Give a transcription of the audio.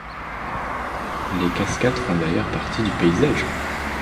Les cascades font d’ailleurs partie du paysage.